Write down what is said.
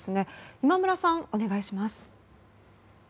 今村さん、お願いします。